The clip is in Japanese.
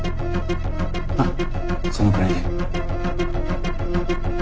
まあそのくらいで。